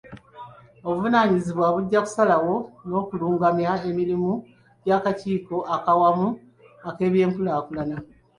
Obuvunaanyizibwa bujja kusalawo n'okulungamya emirimu gy'akakiiko ak'awamu ak'ebyenkulaakulana.